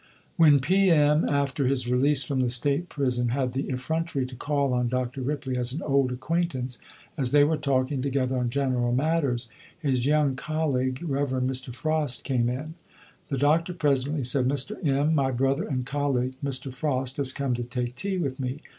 When P. M., after his release from the State Prison, had the effrontery to call on Dr. Ripley, as an old acquaintance, as they were talking together on general matters, his young colleague, Rev. Mr. Frost, came in. The doctor presently said, "Mr. M., my brother and colleague, Mr. Frost, has come to take tea with me.